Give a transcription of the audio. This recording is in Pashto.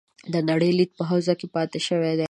د نړۍ لید په حوزه کې پاتې شوي دي.